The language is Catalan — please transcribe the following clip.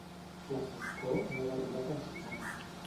La foscor no va arribar a Pensilvània.